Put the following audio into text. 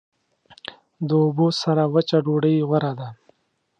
د اوبو سره وچه ډوډۍ غوره ده.